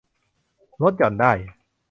ลดหย่อนได้